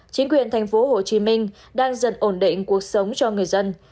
chính quyền tp hcm đang dần ổn định cuộc sống cho người dân